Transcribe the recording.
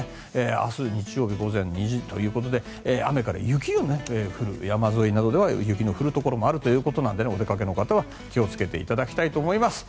明日、日曜日午前２時ということで雨から雪が降る山沿いなどでは雪の降るところもあるのでお出かけの方は気をつけていただきたいと思います。